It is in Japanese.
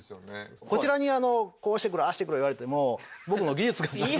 こちらに「こうしてくれああしてくれ」言われても僕も技術がないので。